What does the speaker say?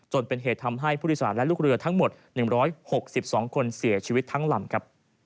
จนเป็นเหตุทำให้ผู้โดยสารและลูกเรือทั้งหมด๑๖๒คนเสียชีวิตทั้งลำครับ